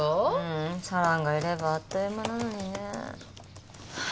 うーん四朗がいればあっという間なのにね。